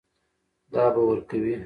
دا به ورکوې.